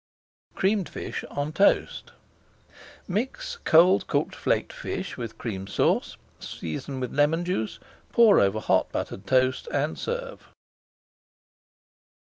CREAMED FISH ON TOAST Mix cold cooked flaked fish with Cream Sauce, season with lemon juice, pour over hot buttered toast, and serve.